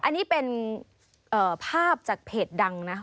อันนี้เป็นภาพจากเพจดังนะ